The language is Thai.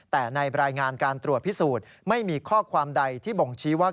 แต่ในรายงานการตรวจพิสูจน์ไม่มีข้อความใดที่บ่งชี้ว่า